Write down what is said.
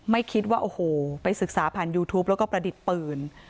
ไม่คิดว่าโอ้โหไปศึกษาผ่านยูทูปแล้วก็ประดิษฐ์ปืน